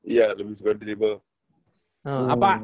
iya lebih suka dribble